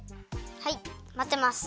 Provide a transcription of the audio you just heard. はいまってます。